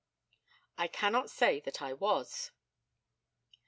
I cannot say that I was.